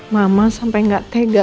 mama sampai gak tega